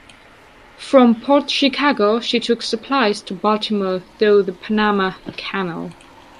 From Port Chicago she took supplies to Baltimore though the Panama Canal.